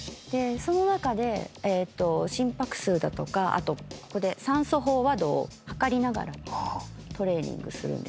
その中で心拍数だとかあとここで酸素飽和度を測りながらトレーニングするんですけど。